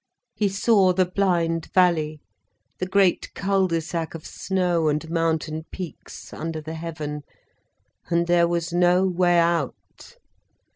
He saw the blind valley, the great cul de sac of snow and mountain peaks, under the heaven. And there was no way out.